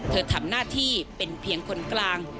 ทำหน้าที่เป็นเพียงคนกลาง